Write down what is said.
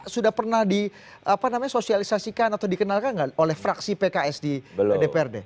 sudah pernah disosialisasikan atau dikenalkan nggak oleh fraksi pks di dprd